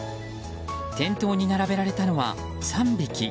店頭に並べられたのは３匹。